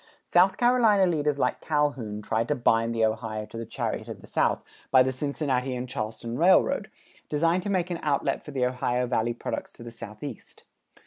South Carolina leaders like Calhoun tried to bind the Ohio to the chariot of the South by the Cincinnati and Charleston Railroad, designed to make an outlet for the Ohio Valley products to the southeast.